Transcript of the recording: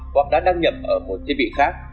hoặc đã đăng nhập ở một thiết bị khác